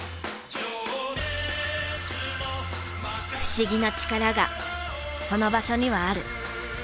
不思議な力がその場所にはある。